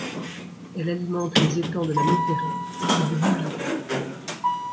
Elle alimente les étangs de la Métairie et du Bouvier.